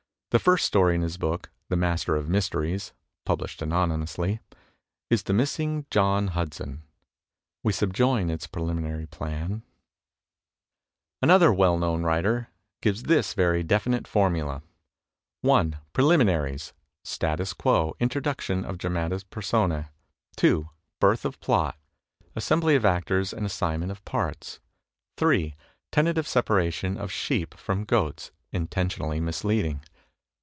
The first story in his book, "The Master of Mysteries," (published anonymously) is "The Missing John Hudson" — We subjoin its preliminary plan: (JCircfer') 298 THE TECHNIQUE OF THE MYSTERY STORY Another well known writer gives this very definite formula: 1. Preliminaries. Status quo. Introduction of dramatis personae. 2. Birth of Plot. Assembly of actors and assignment of parts. 3. Tentative separation of sheep from goats, intentionally misleading.